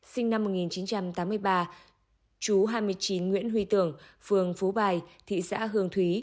sinh năm một nghìn chín trăm tám mươi ba chú hai mươi chín nguyễn huy tưởng phường phú bài thị xã hương thủy